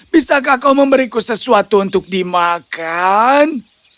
bisakah kau memberiku sesuatu untuk dimakan